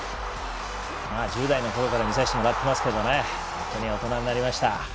１０代のころから見させてもらってますけど本当に大人になりました。